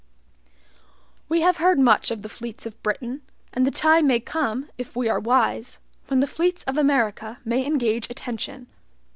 We have heard much of the fleets of Britain, and the time may come, if we are wise, when the fleets of America may engage attention.